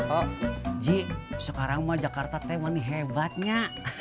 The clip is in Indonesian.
oh ji sekarang mah jakarta teh money hebatnya